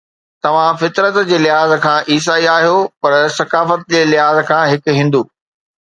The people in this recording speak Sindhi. توهان فطرت جي لحاظ کان عيسائي آهيو، پر ثقافت جي لحاظ کان هڪ هندو